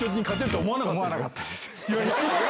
思わなかったです。